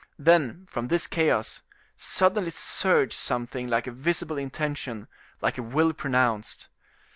Then, from this chaos, suddenly surged something like a visible intention, like a will pronounced.